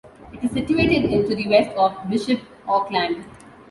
It is situated to the west of Bishop Auckland.